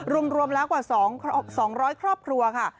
รวมแล้วกว่า๒๐๐ครอบครัวค่ะ